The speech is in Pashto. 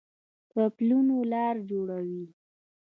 په پلونو لار جوړوي